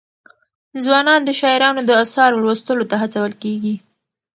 ځوانان د شاعرانو د اثارو لوستلو ته هڅول کېږي.